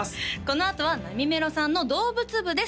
このあとはなみめろさんの動物部です